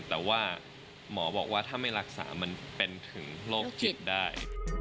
แต่ว่าหมอบอกว่าถ้าไม่รักษามันเป็นถึงโรคจิตได้